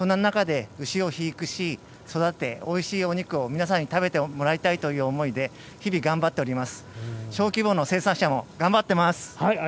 そんな中で牛を飼育し、育ておいしいお肉を皆さんに食べてもらいたいという思いで日々頑張っております。